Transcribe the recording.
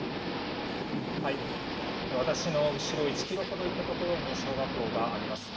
私の後ろ１ｋｍほど行ったところに小学校があります。